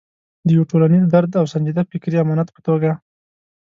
د یو ټولنیز درد او سنجیده فکري امانت په توګه.